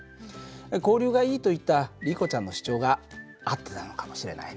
「交流がいい」と言ったリコちゃんの主張が合ってたのかもしれないね。